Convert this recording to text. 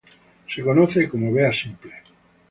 Se conoce como "bea simple".